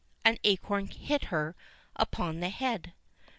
— an acorn hit her upon the head.